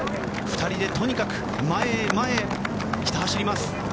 ２人でとにかく前へ、前へひた走ります。